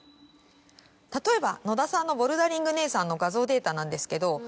例えば野田さんのボルダリング姉さんの画像データなんですけど。